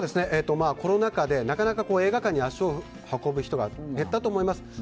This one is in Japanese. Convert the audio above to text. コロナの中でなかなか映画館に足を運ぶ人が減ったと思います。